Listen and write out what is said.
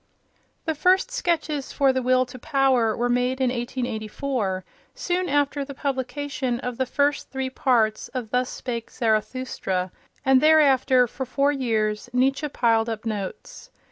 The first sketches for "The Will to Power" were made in 1884, soon after the publication of the first three parts of "Thus Spake Zarathustra," and thereafter, for four years, Nietzsche piled up notes.